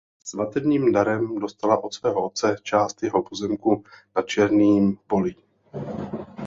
Svatebním darem dostala od svého otce část jeho pozemku na Černým Polích.